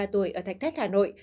năm mươi ba tuổi ở thạch thách hà nội